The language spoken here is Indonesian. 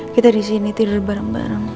kita di sini tidur bareng bareng